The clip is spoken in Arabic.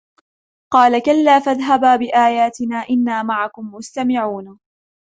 قال كلا فاذهبا بآياتنا إنا معكم مستمعون